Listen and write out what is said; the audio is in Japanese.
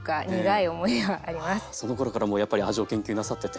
そのころからもうやっぱり味を研究なさってて。